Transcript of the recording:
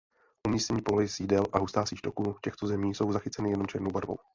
Umístění polohy sídel a hustá síť toků těchto zemí jsou zachyceny jenom černou barvou.